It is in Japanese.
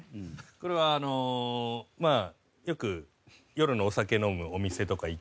これはあのまあよく夜のお酒飲むお店とか行きまして